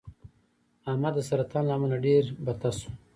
احمد د سرطان له امله ډېر بته شو.